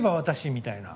みたいな